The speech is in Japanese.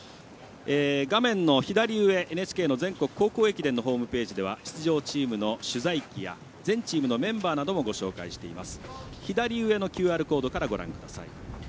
画面の左上、ＮＨＫの全国高校駅伝のホームページでは出場チームの取材記や全チームのメンバーなどもご紹介しています。